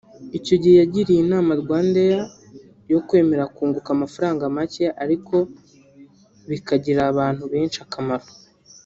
Icyo gihe yagiriye inama RwandAir yo kwemera kunguka amafaranga make ariko bikagirira abantu benshi akamaro